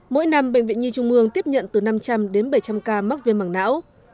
mỗi năm bệnh viện nhi trung ương tiếp nhận từ năm trăm linh đến bảy trăm linh ca mắc viêm mảng não